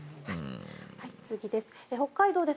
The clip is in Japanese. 次です。